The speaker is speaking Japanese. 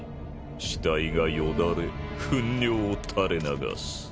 死体がよだれふん尿を垂れ流す。